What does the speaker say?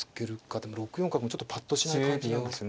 でも６四角もちょっとぱっとしない感じなんですね。